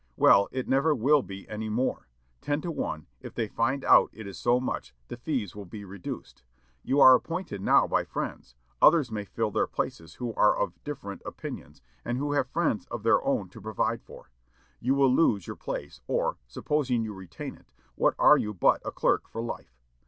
Well, it never will be any more. Ten to one, if they find out it is so much, the fees will be reduced. You are appointed now by friends; others may fill their places who are of different opinions, and who have friends of their own to provide for. You will lose your place; or, supposing you to retain it, what are you but a clerk for life?